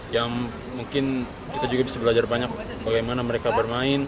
yang mungkin kita juga bisa belajar banyak bagaimana mereka bermain